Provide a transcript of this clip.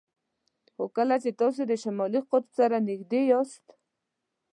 خو کله چې تاسو د شمالي قطب سره نږدې یاست